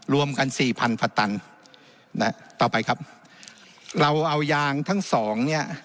รวมกันสี่พันกว่าตันนะต่อไปครับเราเอายางทั้งสองเนี่ย